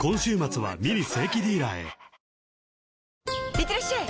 いってらっしゃい！